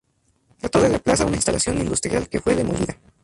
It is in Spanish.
La torre reemplaza una instalación industrial que fue demolida.